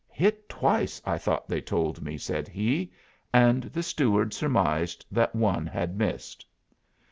"Hit twice, I thought they told me," said he; and the steward surmised that one had missed.